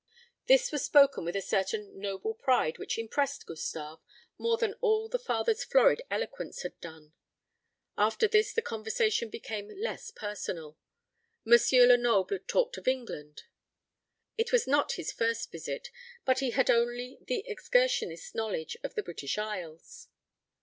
This was spoken with a certain noble pride which impressed Gustave more than all the father's florid eloquence had done. After this the conversation became less personal. M. Lenoble talked of England. It was not his first visit; but he had only the excursionist's knowledge of the British Isles.